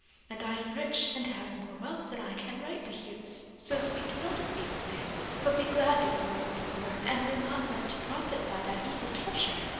And I am rich and have more wealth than I can rightly use, so speak not of these things; but be glad that you are poor, and were not let to profit by that evil treasure.